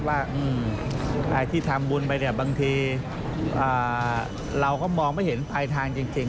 ว่าใครที่ทำบุญไปเนี่ยบางทีเราก็มองไม่เห็นปลายทางจริง